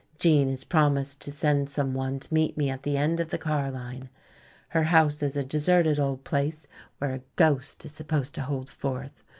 Gene has promised to send some one to meet me at the end of the car line. Her house is a deserted old place where a ghost is supposed to hold forth.